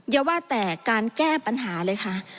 อย่าว่าแต่การแก้ปัญหาเลยค่ะ